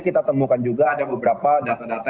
kita temukan juga ada beberapa data data